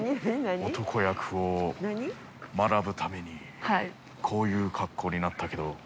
男役を学ぶために、こういう格好になったけど。